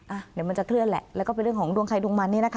อ่ะเดี๋ยวมันจะเคลื่อนแหละแล้วก็เป็นเรื่องของดวงใครดวงมันนี่นะคะ